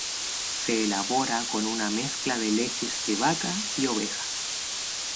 Se elabora con una mezcla de leches de vaca y oveja.